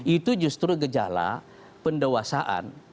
itu justru gejala pendewasaan